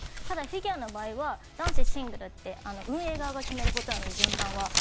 ただフィギュアの場合は男子シングルって運営側が決めることなので、順番は。